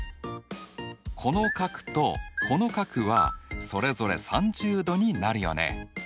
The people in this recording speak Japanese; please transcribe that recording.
この角とこの角はそれぞれ３０°になるよね。